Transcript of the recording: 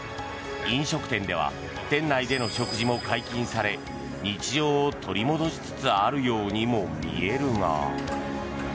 飲食店では店内での食事も解禁され日常を取り戻しつつあるようにも見えるが。